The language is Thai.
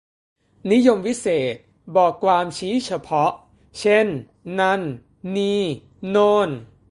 นิยมวิเศษณ์ บอกความชี้เฉพาะ เช่น นั่น นี่ โน่น